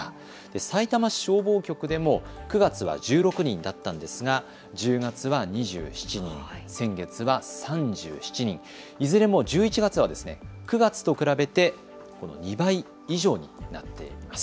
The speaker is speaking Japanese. さいたま市消防局でも９月は１６人だったんですが１０月は２７人、先月は３７人、いずれも１１月は９月と比べて２倍以上になっています。